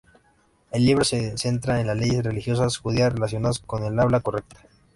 El libro se centra en las leyes religiosas judías relacionadas con el habla correcta.